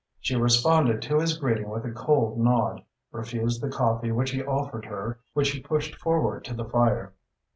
She responded to his greeting with a cold nod, refused the coffee which he offered her and the easy chair which he pushed forward to the fire.